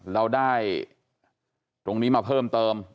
เราได้ตรงนี้มาเพิ่มเติม